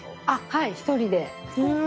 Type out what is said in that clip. はい１人で。